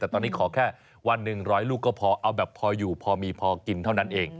แต่ตอนนี้ขอแค่วันหนึ่งร้อยลูกก็พอเอาแบบพออยู่พอมีพอกินเท่านั้นเอง